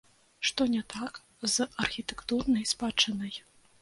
Што не так з архітэктурнай спадчынай?